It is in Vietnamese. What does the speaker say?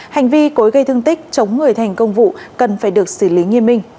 hành vi cối gây thương tích chống người thành công vụ cần phải được xử lý nghiêm minh